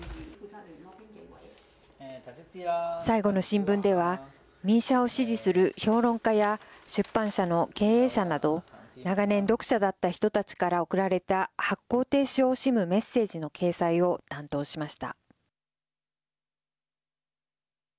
最後の新聞では民主派を支持する評論家や出版社の経営者など長年、読者だった人たちから送られた発行停止を惜しむメッセージの掲載を担当しました。